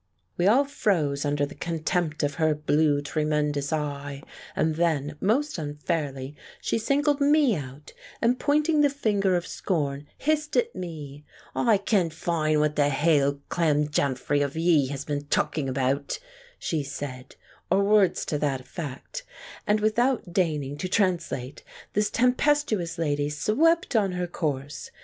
We all froze under the contempt of her blue tremendous eye, and then, most unfairly, she singled me out, and pointing the finger of scorn, hissed at me :" I ken fine what the hale clamjanfry of ye has been talkin' about," she said, or words to that effect, and, without deigning to translate, this tempestuous lady swept on her course.